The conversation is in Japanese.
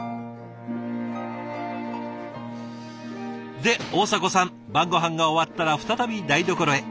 で大迫さん晩ごはんが終わったら再び台所へ。